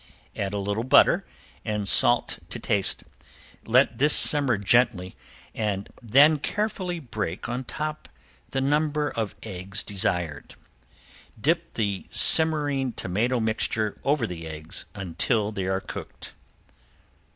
Add a little butter and salt to taste. Let this simmer gently and then carefully break on top the number of eggs desired. Dip the simmering tomato mixture over the eggs until they are cooked.